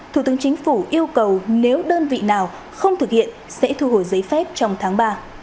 thủ tướng chính phủ yêu cầu nếu đơn vị nào không thực hiện sẽ thu hồi giấy phép trong tháng ba